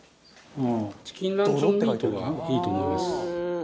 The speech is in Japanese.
チキンランチョンミートがいいと思います。